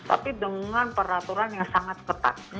tapi dengan peraturan yang sangat ketat